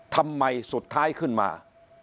ทำไมสุดท้ายขึ้นมา